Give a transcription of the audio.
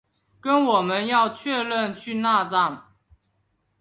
跟我们确认要去那站